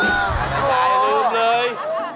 โอ้โฮยายอย่าลืมเลย